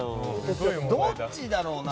どっちだろうな。